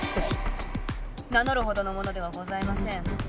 名乗るほどの者ではございません。